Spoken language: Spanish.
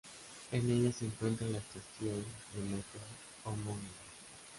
En ella se encuentra la estación de metro homónima.